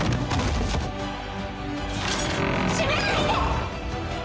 「閉めないで！」